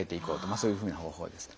そういうふうな方法ですね。